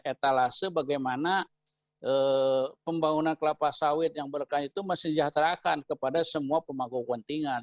etalase bagaimana pembangunan kelapa sawit yang berlekat itu mesejahterakan kepada semua pemangku kepentingan